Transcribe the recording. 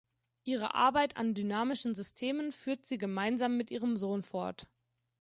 Ihre Arbeit an dynamischen Systemen führt sie gemeinsam mit ihrem Sohn fort.